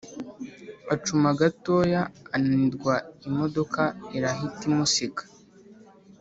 Acuma gatoya ananirwa imodoka irahita imusiga